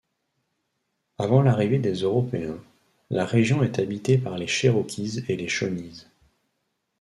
Avant l'arrivée des Européens, la région est habitée par les Cherokees et les Shawnees.